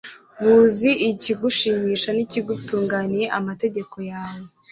buzi ikigushimisha n'igitunganiye amategeko yawe